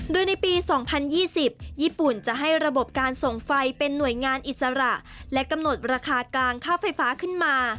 โดยในปี๒๐๒๐ญี่ปุ่นจะให้ระบบการส่งไฟเป็นหน่วยงานอิสระและกำหนดราคากลางค่าไฟฟ้าขึ้นมา